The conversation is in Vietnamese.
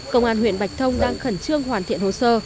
công an huyện bạch thông đang khẩn trương hoàn thiện hồ sơ